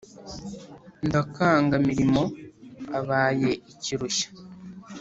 ndakanga mirimo abaye ikirushya !"